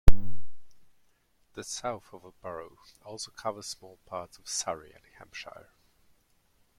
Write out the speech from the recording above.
The south of the borough also covers small parts of Surrey and Hampshire.